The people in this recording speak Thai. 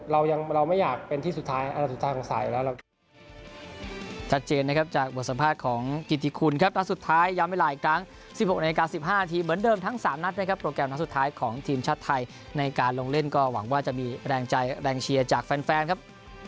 เรายังเราไม่อยากเป็นที่สุดท้ายอันที่สุดท้ายคงใส่แล้วนะครับ